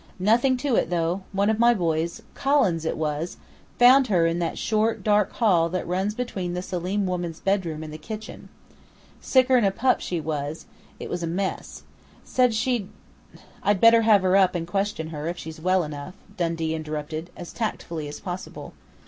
Nothing to it, though. One of my boys Collins, it was found her in that short, dark hall that runs between the Selim woman's bedroom and the kitchen. Sicker'n a pup she was; it was a mess. Said she'd " "I'd better have her up and question her, if she's well enough," Dundee interrupted, as tactfully as possible.